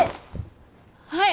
はい！